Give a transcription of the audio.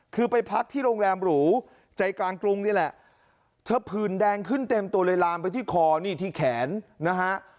คือไปพักที่โรงแรมหรูใจกลางกรุงนี่แหละเธอผื่นแดงขึ้นเต็มตัวเลยลามไปที่คอนี่ที่แขนนะฮะ